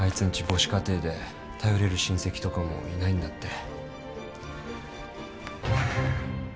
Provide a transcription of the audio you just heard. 母子家庭で頼れる親戚とかもいないんだって。